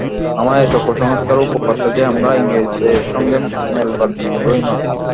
আমাদের এত কুসংস্কার ও কুপ্রথা যে, আমরা ইংরেজের সঙ্গে মেলবার যোগ্যই নই।